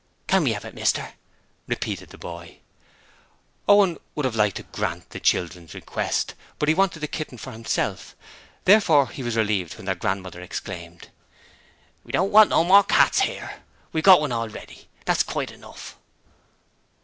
'Can we 'ave it, mister?' repeated the boy. Owen would have liked to grant the children's request, but he wanted the kitten himself. Therefore he was relieved when their grandmother exclaimed: 'We don't want no more cats 'ere: we've got one already; that's quite enough.'